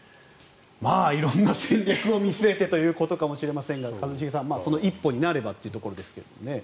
色んな戦略を見据えてということかもしれませんが長嶋さん、その一歩になればというところですね。